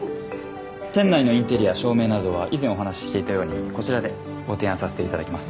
店内のインテリア照明などは以前お話していたようにこちらでご提案させていただきます